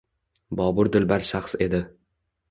Bobur dilbar shaxs edi.